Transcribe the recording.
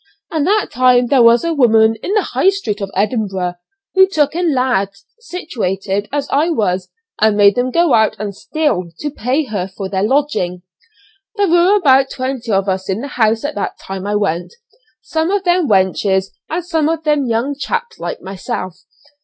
At that time there was a woman in the High Street of Edinburgh, who took in lads situated as I was, and made them go out and steal, to pay her for their lodging. There were about twenty of us in the house at the time I went; some of them wenches and some of them young chaps like myself.